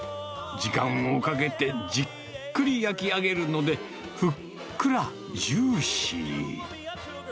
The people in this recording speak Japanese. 時間をかけてじっくり焼き上げるので、ふっくらジューシー。